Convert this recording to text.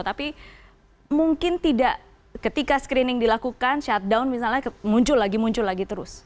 tapi mungkin tidak ketika screening dilakukan shutdown misalnya muncul lagi muncul lagi terus